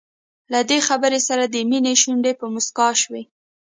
له دې خبرې سره د مينې شونډې په مسکا شوې.